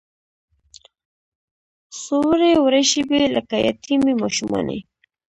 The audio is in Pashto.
څووړې، وړې شیبې لکه یتیمې ماشومانې